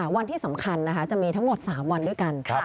วันที่สำคัญจะมีทั้งหมด๓วันด้วยกัน